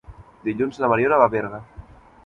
Dilluns na Mariona va a Berga.